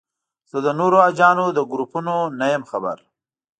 زه د نورو حاجیانو له ګروپونو نه یم خبر.